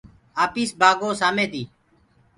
آپيس بآگو سآمي تي